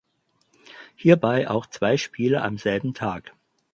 Hierbei auch zwei Spiele am selben Tag.